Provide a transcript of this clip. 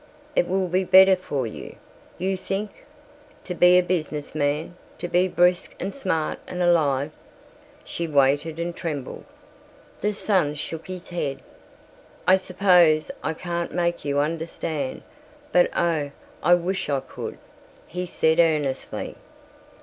It will be better for you, you think, to be a business man, to be brisk and smart and alive?" She waited and trembled. The son shook his head. "I suppose I can't make you understand, but oh, I wish I could," he said earnestly.